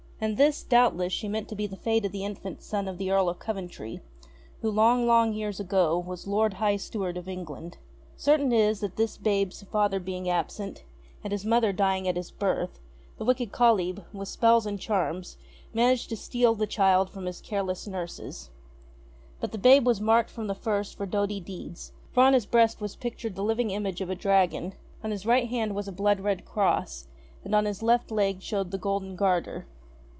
And this, doubtless, she meant to be the fate of the infant son of the Earl of Coventry, who long long years ago was Lord High Steward of England. Certain it is that the babe's 2 ENGLISH FAIRY TALES father being absent, and his mother dying at his birth, the wicked Kalyb, with spells and charms, managed to steal the child from his careless nurses. But the babe was marked from the first for doughty deeds ; for on his breast was pictured the living image of a dragon, on his right hand was a blood red cross, and on his left leg showed the golden garter.